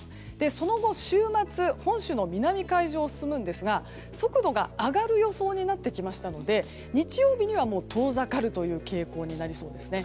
その後、週末本州の南海上を進むんですが速度が上がる予想になってきましたので日曜日には遠ざかるという傾向になりそうですね。